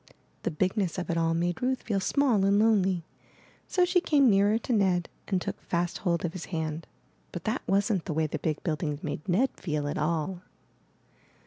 The bigness of it all made Ruth feel small and lonely; so she came nearer to Ned and took fast hold of his hand. But that wasn't the way the big build ings made Ned feel at all.